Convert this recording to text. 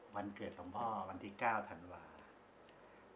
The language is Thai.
วันเกิดของพ่อวันที่๙ธันวาคม